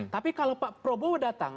tapi kalau pak prabowo datang